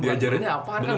diajarin apa kan